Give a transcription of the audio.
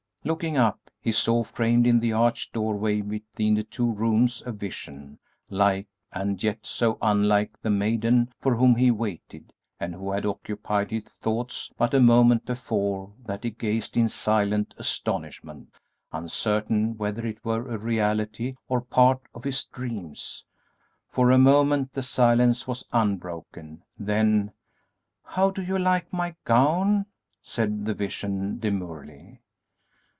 Looking up, he saw framed in the arched doorway between the two rooms a vision, like and yet so unlike the maiden for whom he waited and who had occupied his thoughts but a moment before that he gazed in silent astonishment, uncertain whether it were a reality or part of his dreams. For a moment the silence was unbroken; then, "How do you like my gown?" said the Vision, demurely.